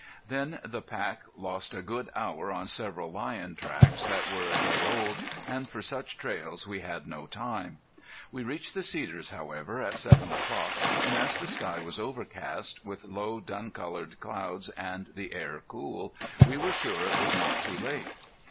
Then the pack lost a good hour on several lion tracks that were a day old, and for such trails we had no time. We reached the cedars however at seven o'clock, and as the sky was overcast with low dun colored clouds and the air cool, we were sure it was not too late.